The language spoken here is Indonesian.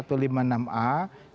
tidak ada dibuktikan